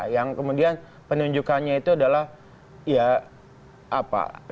yang kemudian penunjukannya itu adalah ya apa